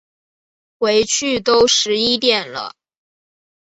回去都十一点了